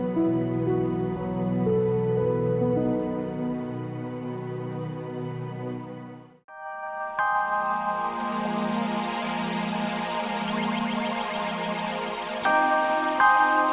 kau pakein ya